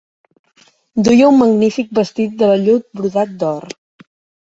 Duia un magnífic vestit de vellut brodat d'or.